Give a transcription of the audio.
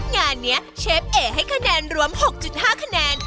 งานนี้เชฟเอ๋ให้คะแนนรวม๖๕คะแนน